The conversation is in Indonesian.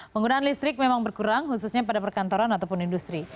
penggunaan listrik memang berkurang khususnya pada perkantoran ataupun industri